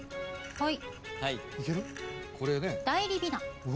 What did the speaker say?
はい。